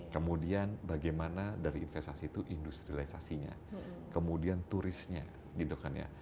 kemudian bagaimana dari investasi itu industrialisasinya kemudian turisnya gitu kan ya